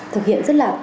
thực hiện rất là